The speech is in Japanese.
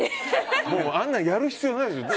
あんなのやる必要ないです。